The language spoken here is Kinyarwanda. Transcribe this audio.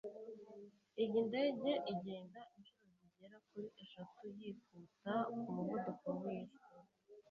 iyi ndege igenda inshuro zigera kuri eshatu yihuta nkumuvuduko wijwi